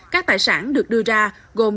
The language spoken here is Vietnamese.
các tài sản được đưa ra gồm